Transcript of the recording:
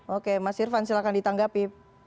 oke mas irvan silahkan ditanggapi